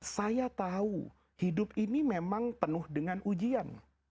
saya tahu hidup ini memang penuh dengan ujian